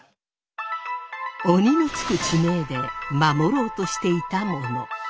鬼の付く地名で守ろうとしていたもの。